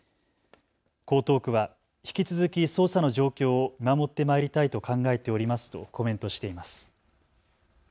江東区は引き続き捜査の状況を見守ってまいりたいと考えておりますとコメントしています。